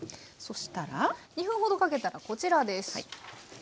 そしたら２分ほどかけたらこちらです。